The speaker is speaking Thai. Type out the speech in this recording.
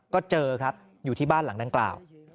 ก็เจอครับอยู่ที่บ้านหลังดังกล่าว